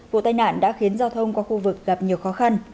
vụ tai nạn đã khiến giao thông qua khu vực gặp nhiều khó khăn